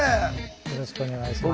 よろしくお願いします。